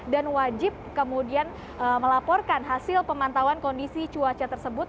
dan wajib kemudian melaporkan hasil pemantauan kondisi cuaca tersebut